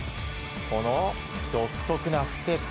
この独特なステップ。